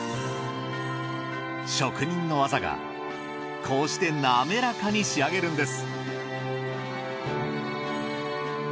職人の技がこうしてなめらかに仕上げるんです。